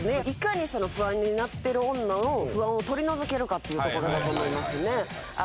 いかにその不安になってる女の不安を取り除けるかっていうところだと思いますね。